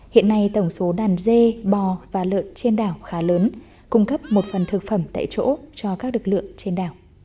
hiện nay tổng số đàn dê bò và lợn trên đảo khá lớn cung cấp một phần thực phẩm tại chỗ cho các lực lượng trên đảo